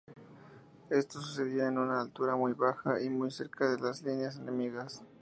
Esto sucedió en una altura muy baja y muy cerca de las líneas enemigas.